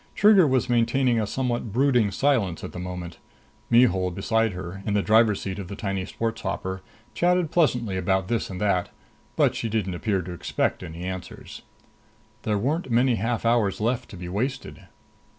Trigger was maintaining a somewhat brooding silence at the moment. Mihul, beside her, in the driver's seat of the tiny sports hopper, chatted pleasantly about this and that. But she didn't appear to expect any answers. There weren't many half hours left to be wasted.